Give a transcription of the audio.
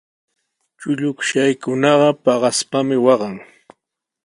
Chullukshaykunaqa paqaspami waqan.